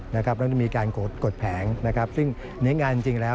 ว่ามีการกดแผงซึ่งในงานจริงแล้ว